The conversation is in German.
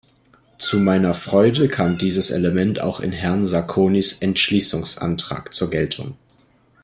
Zu meiner Freude kam dieses Element auch in Herrn Sacconis Entschließungsantrag zur Geltung.